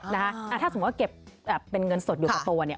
ถ้าสมมุติว่าเก็บเป็นเงินสดอยู่กับตัวเนี่ย